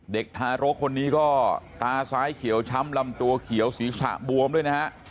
เด็กทารกคนนี้ก็ตาซ้ายเขียวช้ำลำตัวเขียวศีรษะบวมด้วยนะฮะ